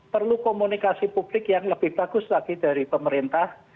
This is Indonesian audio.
perlu komunikasi publik yang lebih bagus lagi dari pemerintah